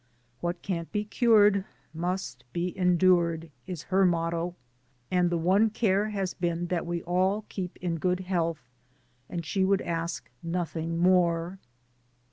"What can't be cured, must be endured," is her motto, and the one care has been that we all keep in good health, and she would ask nothing more.